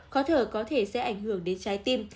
khó thở có thể sẽ ảnh hưởng đến trái tim